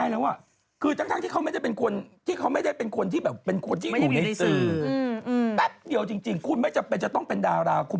เรื่องฆ่าแมวอ่ะเห็นไหม